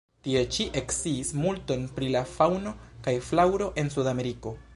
Tie ŝi eksciis multon pri la faŭno kaj flaŭro en Sudameriko.